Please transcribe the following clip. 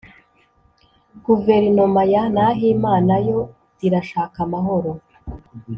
Guverinoma ya Nahimana yo irashaka amahoro